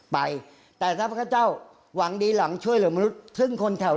ไปแต่ถ้าพระขเจ้าหวังดีหลังช่วยเหลือมนุษย์ซึ่งคนแถว